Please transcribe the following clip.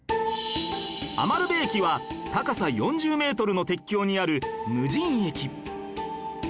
餘部駅は高さ４０メートルの鉄橋にある無人駅